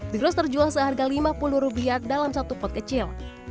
virus terjual seharga lima puluh rupiah dalam satu pot kecil